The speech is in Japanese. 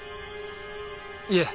いえ。